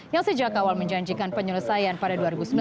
yang sejak awal menjanjikan penyelesaian pada dua ribu sembilan belas